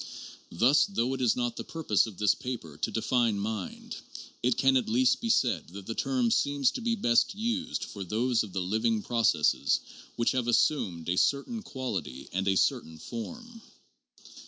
Thus, though it is not the purpose of this paper to define mind, it can at least be said that the term seems to be best used for those of the living processes which have assumed a certain quality and a certain form.